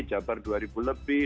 jabar dua ribu lebih